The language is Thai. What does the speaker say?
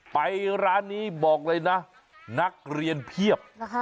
ไปร้านนี้บอกเลยนะนักเรียนเพียบ